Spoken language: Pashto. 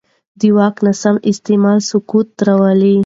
د واک ناسم استعمال سقوط راولي